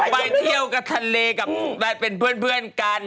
ไปเที่ยวกับทะเลกับเป็นเพื่อนกัน